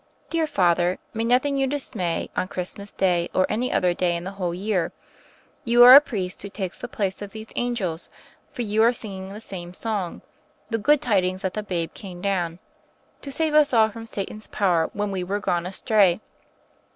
* "Dear Father, may nothing you xiismay, on Christmas day or any other day in the whole year. You are a priest who takes the place of these angels, for you are singing the same song — ^the good tidings that the Babe came down *To save us all from Satan's power When we were gone astray.'